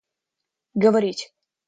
говорить